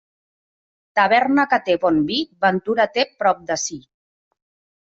Taverna que té bon vi, ventura té prop de si.